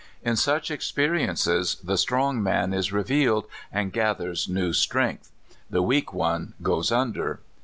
In such experiences, the strong man is revealed and gathers new strength; the weak one goes under.